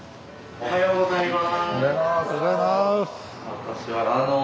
おはようございます。